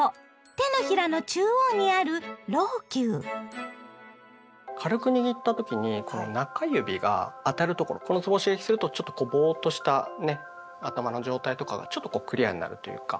手のひらの中央にある軽く握った時にこの中指が当たるところこのつぼを刺激するとちょっとこうボーっとしたね頭の状態とかがちょっとこうクリアになるというか。